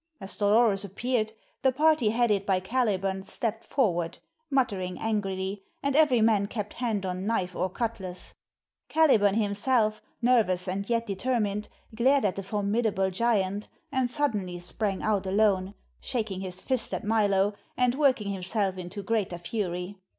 As Dolores appeared, the party headed by Caliban stepped forward, muttering angrily, and every man kept hand on knife or cutlass. Caliban himself, nervous and yet determined, glared at the formidable giant and suddenly sprang out alone, shaking his first at Milo, and working himself into greater fury.